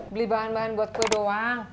beli bahan bahan buat gue doang